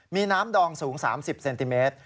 มีน้ำดองสูง๓๐เซนติเมตร